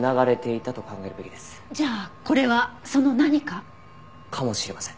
じゃあこれはその「何か」？かもしれません。